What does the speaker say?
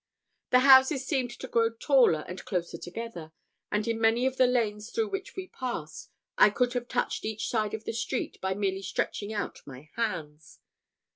The houses seemed to grow taller and closer together, and in many of the lanes through which we passed, I could have touched each side of the street, by merely stretching out my hands.